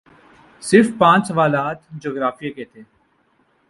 صرف پانچ سوالات جغرافیے کے تھے